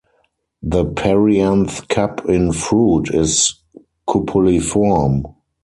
The perianth-cup in fruit is cupuliform.